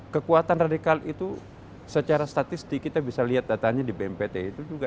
kekuatan radikal itu secara statistik kita bisa lihat datanya di bmpt itu juga